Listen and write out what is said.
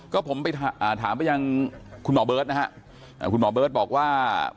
ก็ผมไปถามไปยังคุณหมอเบิร์ตนะฮะคุณหมอเบิร์ตบอกว่า